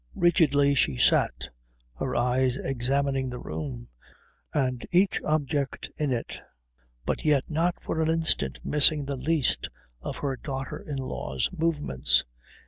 Rigidly she sat, her eyes examining the room and each object in it but yet not for an instant missing the least of her daughter in law's movements.